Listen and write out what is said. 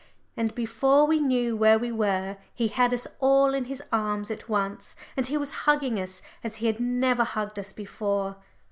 And before we knew where we were he had us all in his arms at once, and he was hugging us as he had never hugged us before.